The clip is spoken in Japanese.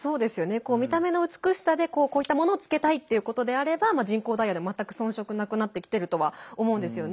見た目の美しさでこういったものを着けたいということであれば人工ダイヤで全く遜色なくなってきてるとは思うんですよね。